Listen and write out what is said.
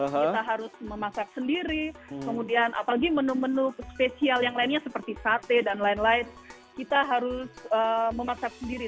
kita harus memasak sendiri kemudian apalagi menu menu spesial yang lainnya seperti sate dan lain lain kita harus memasak sendiri